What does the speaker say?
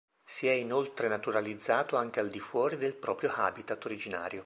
Si è inoltre naturalizzato anche al di fuori del proprio habitat originario.